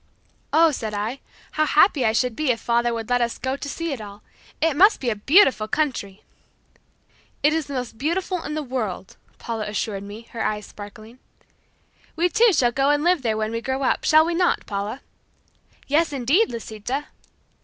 "Oh," said I, "how happy I should be if father would let us go to see it all. It must be a beautiful country!" "It is the most beautiful in the world," Paula assured me, her eyes sparkling. "We too shall go and live there when we grow up; shall we not, Paula?" "Yes, indeed, Lisita."